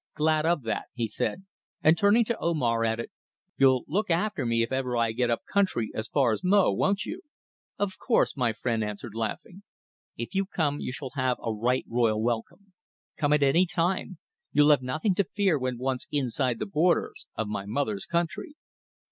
"Glad of that," he said, and turning to Omar added, "you'll look after me if ever I get up country as far as Mo, won't you?" "Of course," my friend answered laughing. "If you come you shall have a right royal welcome. Come at any time. You'll have nothing to fear when once inside the borders of my mother's country."